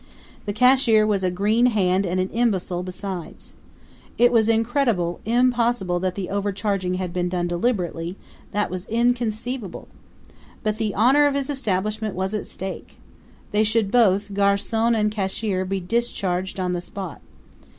The cashier was a green hand and an imbecile besides. It was incredible, impossible, that the overcharging had been done deliberately; that was inconceivable. But the honor of his establishment was at stake. They should both, garcon and cashier, be discharged on the spot.